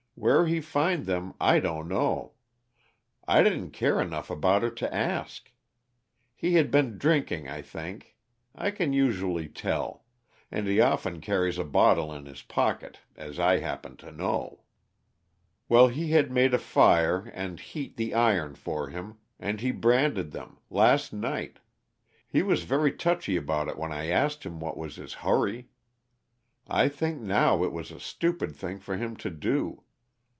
Where he found them I don't know I didn't care enough about it to ask. He had been drinking, I think; I can usually tell and he often carries a bottle in his pocket, as I happen to know. "Well, he had me make a fire and heat the iron for him, and he branded them last night; he was very touchy about it when I asked him what was his hurry. I think now it was a stupid thing for him to do.